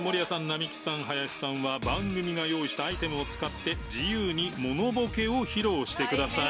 並木さん林さんは番組が用意したアイテムを使って自由にモノボケを披露してください。